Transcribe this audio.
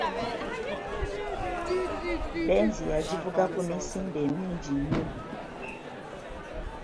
Benzi ya givuga ku misinde mingi nnyo.